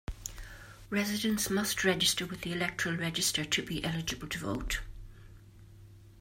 Residents must register with the electoral register to be eligible to vote.